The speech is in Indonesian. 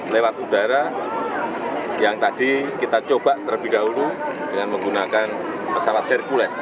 lewat udara yang tadi kita coba terlebih dahulu dengan menggunakan pesawat hercules